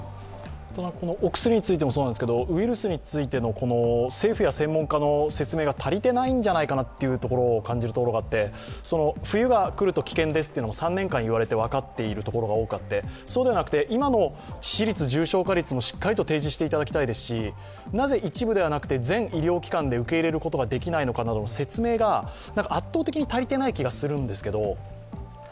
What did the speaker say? お薬についてもそうなんですけれどもウイルスについての政府や専門家の説明が足りていないんじゃないかと感じるところがあって冬が来ると危険ですというのも３年間言われて分かっているところもあってそうではなくて、今の致死率重症化率もしっかりと提示していただきたいですしなぜ一部ではなくて全医療機関で受け入れることができないのかの説明が圧倒的に足りてない気がするんですけど。